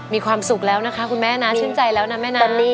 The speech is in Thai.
มีความสุขแล้วนะคะคุณแม่นะชื่นใจแล้วนะแม่นั้นนี่